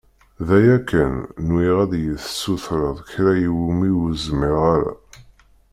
D aya kan, nwiɣ ad iyi-d-tessutreḍ kra iwimi ur zmireɣ ara.